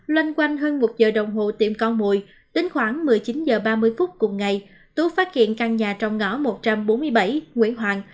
loanh quanh hơn một giờ đồng hồ tìm con mồi đến khoảng một mươi chín h ba mươi phút cùng ngày tú phát hiện căn nhà trong ngõ một trăm bốn mươi bảy nguyễn hoàng